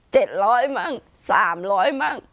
๗๐๐บาทนึง๓๐๐บาทนึง